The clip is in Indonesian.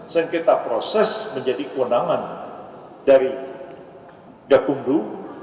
sengketa proses menjadi kewenangan dari gakumdu